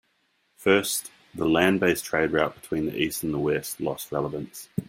First, the land based trade route between east and west lost relevance.